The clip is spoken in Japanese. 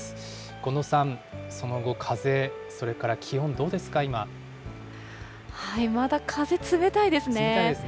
近藤さん、その後、風、それからまだ風、冷たいですね。